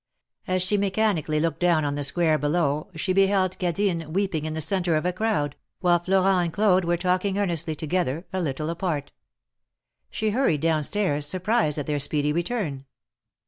As she mechanically looked down on the Square below, she beheld Cadine weeping in the centre of a crowd, while Florent and Claude were talking earnestly together a little apart. She hurried down stairs, surprised at their speedy return.